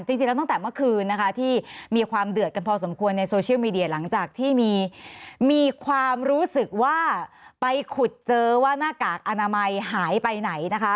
จริงแล้วตั้งแต่เมื่อคืนนะคะที่มีความเดือดกันพอสมควรในโซเชียลมีเดียหลังจากที่มีความรู้สึกว่าไปขุดเจอว่าหน้ากากอนามัยหายไปไหนนะคะ